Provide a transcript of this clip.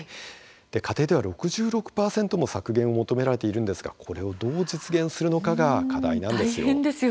家庭では６６％も削減を求められているんですがこれをどう実現するのかが課題なんですよ。